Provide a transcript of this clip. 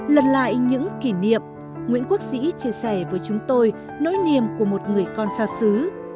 lật lại những kỷ niệm nguyễn quốc sĩ chia sẻ với chúng tôi nỗi niềm của một người con xa xứ